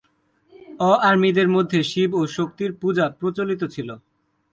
অ-আর্মিদের মধ্যে শিব ও শক্তির পূজা প্রচলিত ছিল।